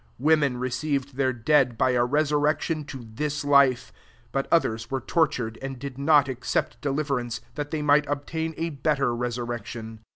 35 Women re ceived their dead by a resur rection to thi% life I but others were tortnfed, and did not ac cept deliverance, that they might obtain a better resurrec tion.